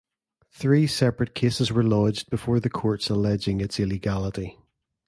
Three separate cases were lodged before the courts alleging its illegality.